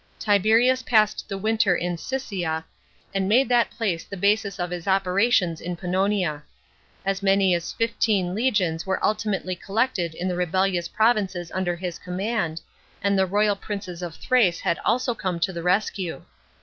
Tiberius passed the winter in Siscia, and made that plase the basis of his operations in Pannonia. As many as fifteen legions were ultimately collected in the rebellious provinces under his command, and the loyal princes of Thrace had also come to the rescue.